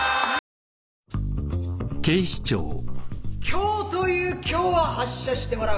今日という今日は発射してもらう。